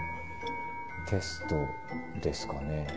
テストですかね。